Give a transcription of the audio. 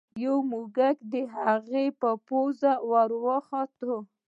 یو موږک د هغه په پوزه ور وخوت.